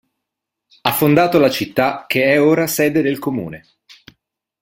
Ha fondato la città che è ora sede del Comune.